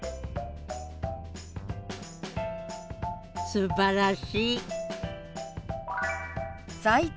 すばらしい！